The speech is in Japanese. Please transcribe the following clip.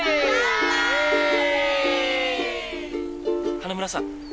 花村さん。